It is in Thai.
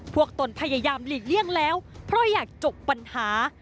ตนพยายามหลีกเลี่ยงแล้วเพราะอยากจบปัญหา